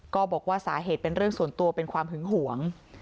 ก็บอกว่าสาเหตุเป็นเรื่องส่วนตัวเป็นความหึงหวง